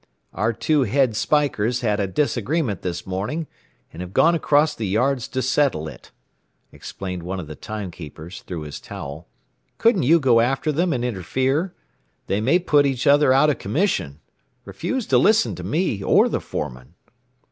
"Our two head spikers had a disagreement this morning, and have gone across the yards to settle it," explained one of the time keepers through his towel. "Couldn't you go after them, and interfere? They may put each other out of commission. Refused to listen to me or the foreman."